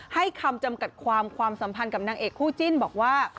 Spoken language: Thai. ให้คำจำกัดความความสัมพันธ์กับนางเอกคู่จิ้นบอกว่า